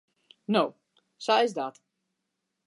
No, sa is dat.